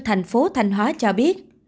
thành phố thanh hóa cho biết